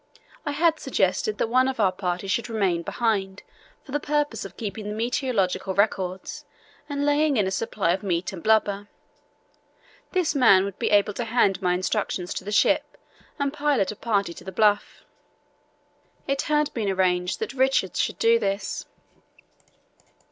I had suggested that one of our party should remain behind for the purpose of keeping the meteorological records and laying in a supply of meat and blubber. This man would be able to hand my instructions to the ship and pilot a party to the Bluff. It had been arranged that Richards should do this.